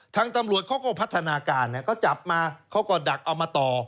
ทางตำรวจเขาก็พัฒนาการเขาจับมาเขาก็ดักเอามาต่อ